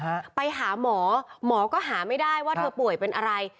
ฮะไปหาหมอหมอก็หาไม่ได้ว่าเธอป่วยเป็นอะไร